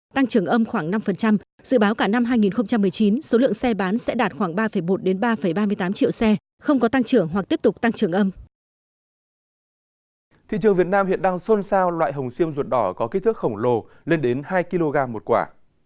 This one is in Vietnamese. trường việt nam hiện đang xôn xao loại hồng xiêm ruột đỏ có kích thước khổng lồ lên đến hai kg một quả